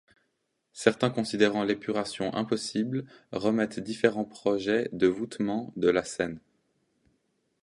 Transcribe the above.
Certains considérant l’épuration impossible remettent différents projets de voûtement de la Senne.